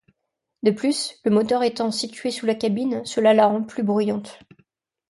De plus, le moteur étant situé sous la cabine, cela la rend plus bruyante.